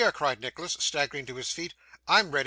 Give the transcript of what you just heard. cried Nicholas, staggering to his feet, 'I'm ready.